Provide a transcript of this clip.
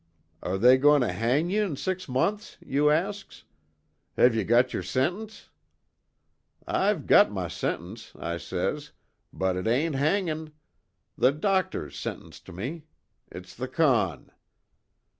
"'Are they goin' to hang ye in six months?' you asks, 'Have ye got yer sentence?' "'I've got my sentence,' I says, 'But it ain't hangin'. The doctors sentenced me. It's the con.'